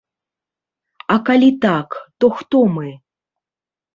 А калі так, то хто мы?